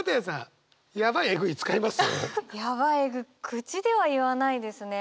口では言わないですね。